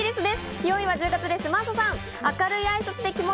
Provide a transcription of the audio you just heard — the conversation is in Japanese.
４位は１０月です、真麻さん。